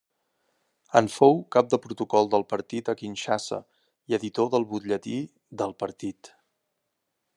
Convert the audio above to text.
En fou cap de protocol del partit a Kinshasa i editor del butlletí del partit.